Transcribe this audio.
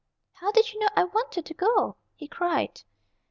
"How did you know I wanted to go?" he cried.